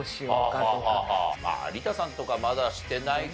まあ有田さんとかはまだしてないか。